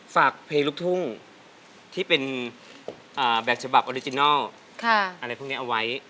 ฝากเพลงลูกทุ่งที่เป็นแบบฉบับออริจินัลอะไรพวกนี้เอาไว้